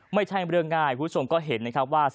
ไม่ใช่เรื่องง่ายคุณผู้ชมก็เห็นนะครับว่า